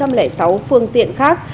một trăm linh sáu phương tiện khác